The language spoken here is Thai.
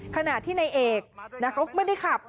ขนาดที่ในเอกเขาไม่ได้ขับ